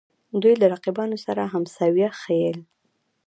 دوی له رقیبانو سره همسویه ښييل